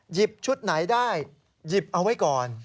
หยิบชุดไหนได้หยิบเอาไว้ก่อน